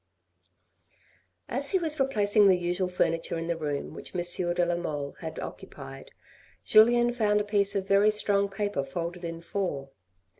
As he was replacing the usual furniture in the room which M. de la Mole had occupied, Julien found a piece of very strong paper folded in four.